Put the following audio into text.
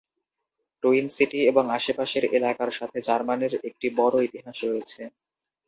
Twin city এবং আশেপাশের এলাকার সাথে জার্মানের একটি বড়ো ইতিহাস রয়েছে।